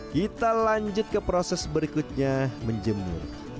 kita lanjut ke proses berikutnya menjemur